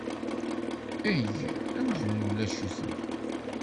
Eg amzun ulac-iten.